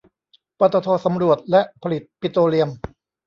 ปตท สำรวจและผลิตปิโตรเลียม